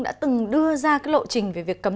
đã từng đưa ra cái lộ trình về việc cấm